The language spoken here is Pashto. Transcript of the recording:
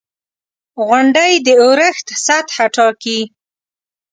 • غونډۍ د اورښت سطحه ټاکي.